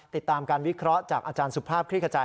ติดตามการวิเคราะห์จากอาจารย์สุภาพคลิกขจาย